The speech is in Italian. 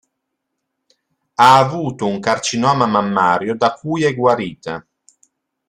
Ha avuto un carcinoma mammario da cui è guarita.